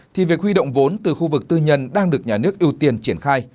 thì việc huy động vốn từ khu vực tư nhân đang được nhà nước ưu tiên triển khai